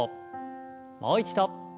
もう一度。